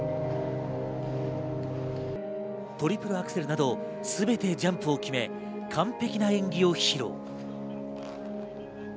トリプルアクセルなどすべてジャンプを決め、完璧な演技を披露。